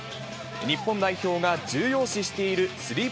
日本代表が重要視しているスリー